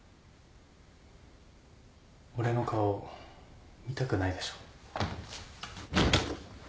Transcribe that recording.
俺の顔見たくないでしょ？